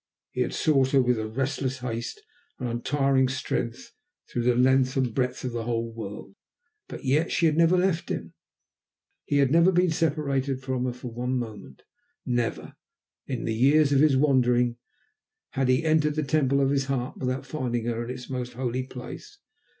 He had sought her with restless haste and untiring strength through the length and breadth of the whole world, but yet she had never left him, he had never been separated from her for one moment, never, in the years of his wandering, had he entered the temple of his heart without finding her in its most holy place.